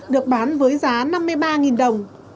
được bán với giá năm mươi ba đồng